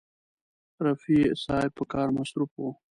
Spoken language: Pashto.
رفیع صاحب په کار مصروف و.